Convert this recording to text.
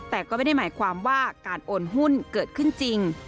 แต่ก็ไม่ได้หมายความว่าการโอนหุ้นเกิดขึ้นจริง